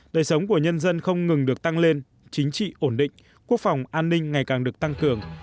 đời sống của nhân dân không ngừng được tăng lên chính trị ổn định quốc phòng an ninh ngày càng được tăng cường